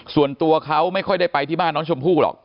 ส่วนตัวเขาไม่ค่อยได้ไปที่บ้านน้องชมพู่หรอก